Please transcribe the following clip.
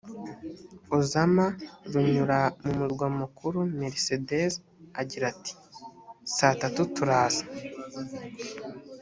ozama runyura mu murwa mukuru mercedes agira ati saa tatu turaza